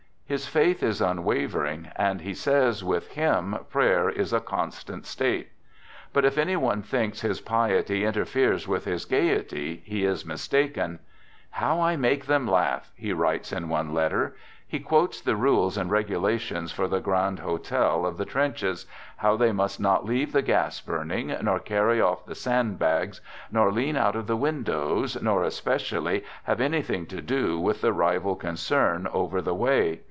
His faith is unwavering, and he says with him prayer is a " constant state." But if any one thinks his piety interferes with his gayety, he is mistaken. " How I make them laugh," he writes in one letter. He quotes the rules and regulations for the Grand Hotel of the Trenches, how they must not leave the gas burning, nor carry i off the sandbags, nor lean out of the windows, nor, \ especially, have anything to do with the rival con j cern over the way.